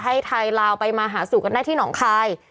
ให้ไทยลาวไปมาหาสู่กันได้ที่หนองคาย